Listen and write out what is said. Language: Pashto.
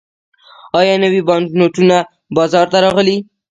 آیا نوي بانکنوټونه بازار ته راغلي؟